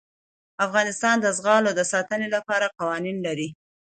افغانستان د زغال د ساتنې لپاره قوانین لري.